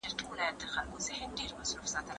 زه به سبا د سبا لپاره د کور کارونه کوم.